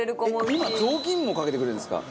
今雑巾もかけてくれるんですか。